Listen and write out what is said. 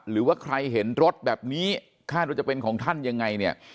หรือว่าใครเห็นรถแบบนี้คาดว่าจะเป็นของท่านยังไงเนี่ย